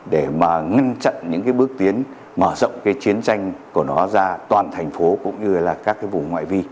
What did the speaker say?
để ngăn chặn những bước tiến mở rộng chiến tranh của nó ra toàn thành phố cũng như các vùng ngoại vi